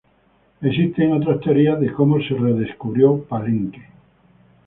Existen otras teorías de cómo se redescubrió Palenque.